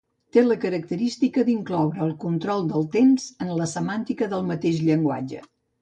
Té la característica d'incloure el control del temps en la semàntica del mateix llenguatge.